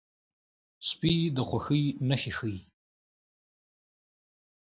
سپي د خوښۍ نښې ښيي.